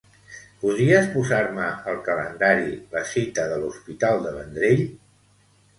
Podries posar-me al calendari la cita de l'Hospital de Vendrell?